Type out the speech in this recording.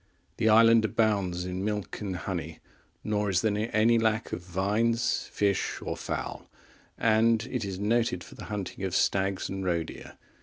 The island abounds in milk and honey, nor is there any lack of vines, fish, or fowl; and it is noted for the hunting of stags and roe deer.